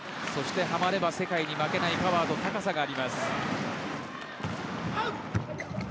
はまれば、世界に負けないパワーと高さがあります。